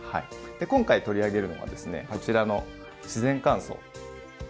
で今回取り上げるのがですねこちらの「自然乾燥」。